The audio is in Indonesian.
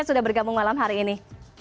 sudah bergabung malam hari ini